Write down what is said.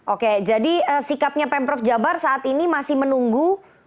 oke jadi sikapnya pemprov jabar saat ini masih menunggu